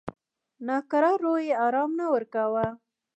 ناکراره روح یې آرام نه ورکاوه.